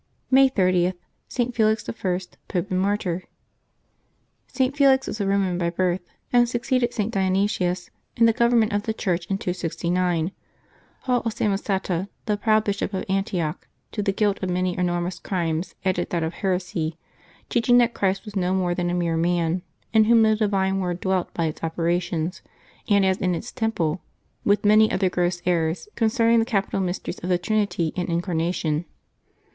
May 30.— ST. FELIX L, Pope and Mart)n:. [t. Felix was a Roman by birth, and succeeded St. Dionysius in the government of the Church in 269. Paul of Samosata, the proud Bishop of Antioch, to the guilt of many enormous crimes added that of heresy, teach ing that Christ was no more than a mere man, in whom the Divine Word dwelt by its operation and as in its tem ple, with many other gross errors concerning the capital mysteries of the Trinity and Incarnation.